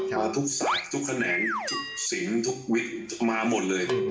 มาทุกสายทุกแขนงทุกสิงทุกวิทย์มาหมดเลย